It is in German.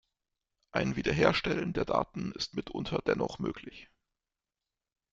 Ein Wiederherstellen der Daten ist mitunter dennoch möglich.